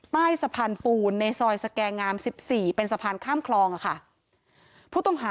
ใต้สะพานปูนในสอยสแกง